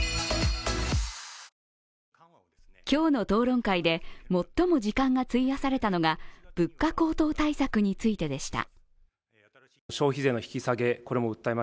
今日の討論会で最も時間を費やされたのは、物価高騰対策についてでした。